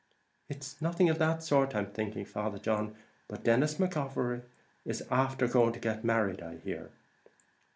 "It's nothing of that sort, I'm thinking, Father John, but Denis McGovery is afther going to get married, I hear."